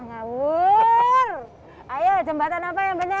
betul ayo jembatan apa yang banyak